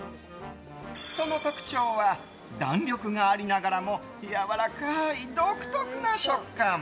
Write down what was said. その特徴は、弾力がありながらもやわらかい独特な食感。